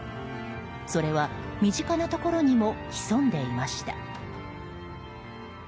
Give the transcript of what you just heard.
それは、身近なところにも潜んでいました。